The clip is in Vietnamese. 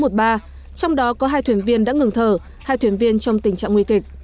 trong đó có hai thuyền viên đã ngừng thở hai thuyền viên trong tình trạng nguy kịch